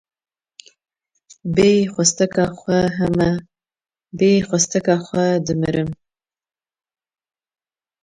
Bêyî xwasteka xwe heme, bêyî xwasteka xwe dimirim.